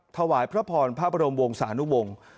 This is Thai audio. ถวายพระพรพระบรมวงศานุวงศ์